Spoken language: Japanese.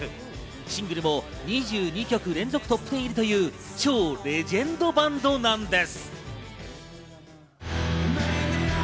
シングルも２２曲連続トップテン入りという超レジェンドバンドなんです。